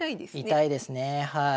痛いですね。